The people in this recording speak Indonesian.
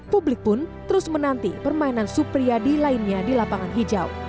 publik pun terus menanti permainan supriyadi lainnya di lapangan hijau